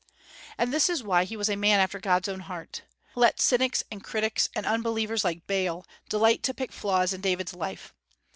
And this is why he was a man after God's own heart. Let cynics and critics, and unbelievers like Bayle, delight to pick flaws in David's life.